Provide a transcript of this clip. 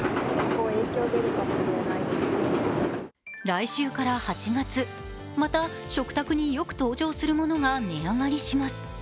来週から８月、また食卓によく登場するものが値上がりします。